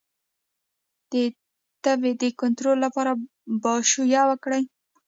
د تبې د کنټرول لپاره پاشویه وکړئ